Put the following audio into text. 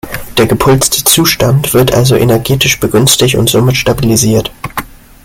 Der gepulste Zustand wird also energetisch begünstigt und somit stabilisiert.